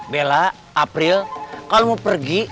bella april kalau mau pergi